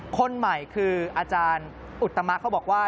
คนใหม่คืออาจารย์อุตมะเขาบอกว่า